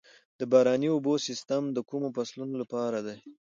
د باراني اوبو سیستم د کومو فصلونو لپاره دی؟